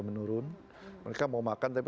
menurun mereka mau makan tapi